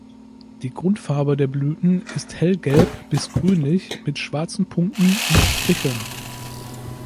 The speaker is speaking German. Die Grundfarbe der Blüten ist hellgelb bis grünlich mit schwarzen Punkten und Stricheln.